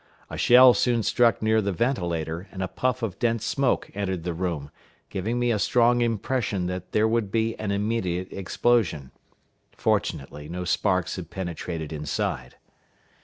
A shell soon struck near the ventilator, and a puff of dense smoke entered the room, giving me a strong impression that there would be an immediate explosion. Fortunately, no sparks had penetrated inside.